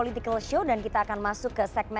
tim liputan cnn indonesia